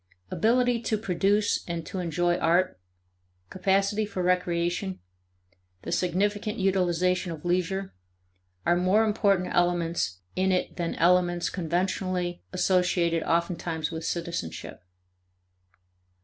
Ability to produce and to enjoy art, capacity for recreation, the significant utilization of leisure, are more important elements in it than elements conventionally associated oftentimes with citizenship.